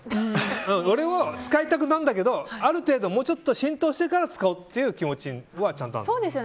俺も使いたくなるんだけどある程度、浸透してから使おうっていう気持ちはちゃんとある。